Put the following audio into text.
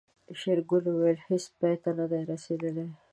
شېرګل وويل هيڅ پای ته نه دي رسېدلي.